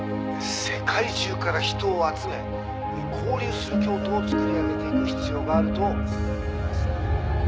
世界中から人を集め交流する京都をつくり上げていく必要があると